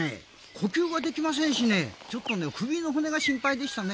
呼吸はできませんしねちょっと首の骨が心配でしたね。